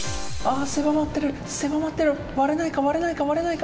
狭まってる、狭まってる、割れないか、割れないか。